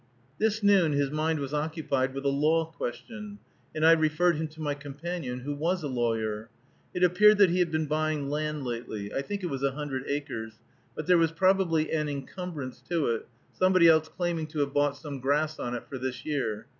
This noon his mind was occupied with a law question, and I referred him to my companion, who was a lawyer. It appeared that he had been buying land lately (I think it was a hundred acres), but there was probably an incumbrance to it, somebody else claiming to have bought some grass on it for this year.